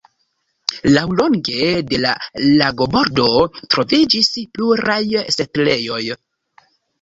Laŭlonge de la lagobordo troviĝis pluraj setlejoj.